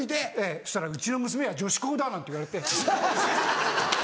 そしたら「うちの娘は女子校だ！」なんて言われて。